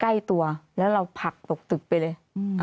ใกล้ตัวแล้วเราผลักตกตึกไปเลย